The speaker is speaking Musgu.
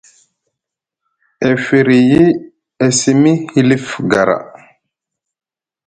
E firyi e simi hilif gara.